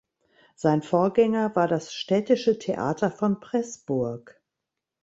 Sein Vorgänger war das Städtische Theater von Preßburg.